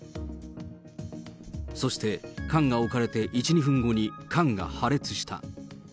そして、缶が置かれて１、２分後に、缶が破裂した。